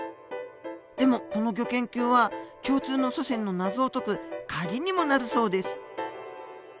でもこのギョ研究は共通の祖先の謎を解くカギにもなるそうです。